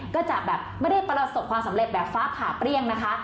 ก็จะแบบไม่ได้ประสบความสำเร็จแบบฟ้าผ่าเปรี้ยงนะคะ